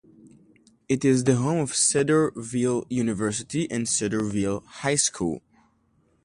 It is the home of Cedarville University and Cedarville High School.